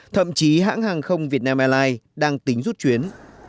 thậm chí hãng hàng không việt nam airlines đang tính rút chuyến